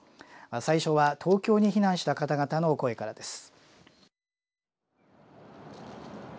最初は東京に避難した方々の声からです。